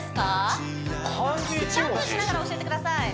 シャンプーしながら教えてください